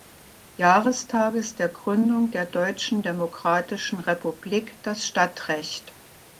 Jahrestages der Gründung der Deutschen Demokratischen Republik das Stadtrecht.